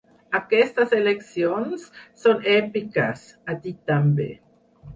Aquestes eleccions són èpiques, ha dit també.